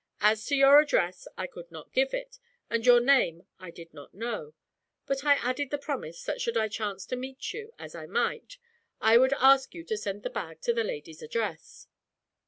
As to your address, I could not give it, and your name I did not know; but I added the promise that should I chance to meet you, as I might, I would ask you to send the bag to the lady's address.'